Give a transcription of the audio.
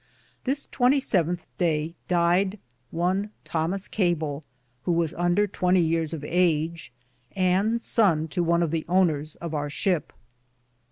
This 27 daye died one Thomas Cable, who was under 20 yearis of age, and son to one of the owneres of our shipe.